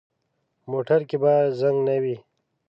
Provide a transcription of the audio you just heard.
موټر کې باید زنګ نه وي.